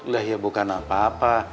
lah ya bukan apa apa